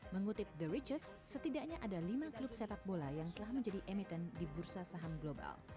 mengutip the recos setidaknya ada lima klub sepak bola yang telah menjadi emiten di bursa saham global